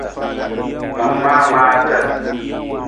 Ma maa maata.